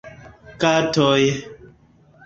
Katoj